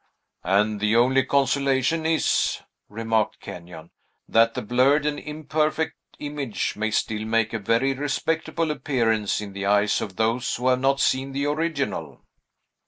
"And the only consolation is," remarked Kenyon, "that the blurred and imperfect image may still make a very respectable appearance in the eyes of those who have not seen the original."